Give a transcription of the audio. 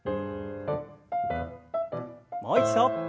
もう一度。